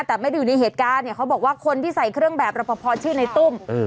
แต่ไม่ได้อยู่ในเหตุการณ์เนี่ยเขาบอกว่าคนที่ใส่เครื่องแบบรับประพอชื่อในตุ้ม